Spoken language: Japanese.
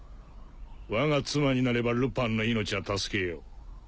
わが妻になればルパンの命は助けよう。